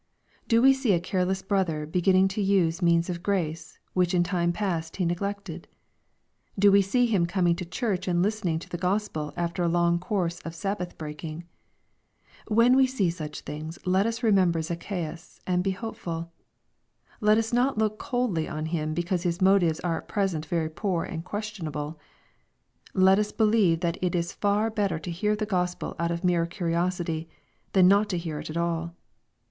Do we see a careless brother beginning to use means of grace, which in time past he neglected ? Do we see him coming to Church and listenieg to the Gospel after a long course of Sabbath breaking ? When we see such things let us remember Zacchaaus and be hopeful. Let us not look coldly on him because his motives are at present very poor and questionable. Let us believe that it is far bet ter to hear the Gospel out of mere curiosity, than not to hear it at all.